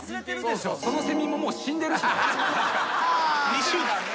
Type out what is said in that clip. ２週間ね。